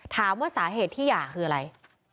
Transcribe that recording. ถามว่าสาเหตุที่หย่าคืออะไร